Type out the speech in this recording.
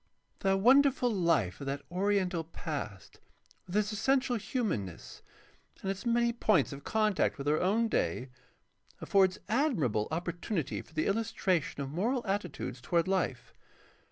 The wonderful life of that oriental past, with its essential hiunanness and its many points of contact with our own day, affords admirable opportunity for the illustration of moral attitudes toward Ufe.